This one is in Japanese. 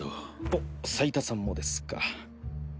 おっ斉田さんもですか。